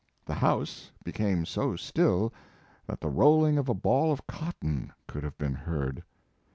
The house became so still that the rolling of a ball of cotton could have been heard.